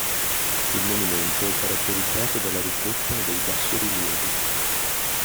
Il monumento è caratterizzato dalla ricchezza dei bassorilievi.